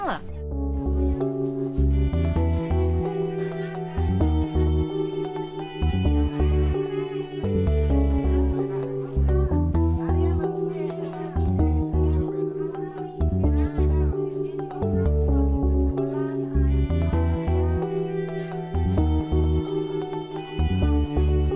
ada seratus lebih lah